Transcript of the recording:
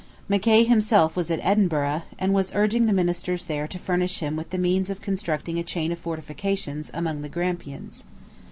Mackay himself was at Edinburgh, and was urging the ministers there to furnish him with the means of constructing a chain of fortifications among the Grampians.